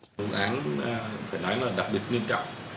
cái đối án phải nói là đặc biệt nghiêm trọng